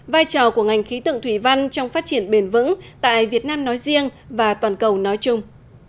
vai trò của ngành khí tượng thủy văn trong phát triển bền vững tại việt nam nói riêng và toàn cầu nói chung